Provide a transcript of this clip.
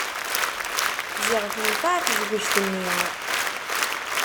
Ziɣ tenfeε tejwejt-nni.